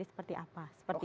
mungkin karir saya akan mentok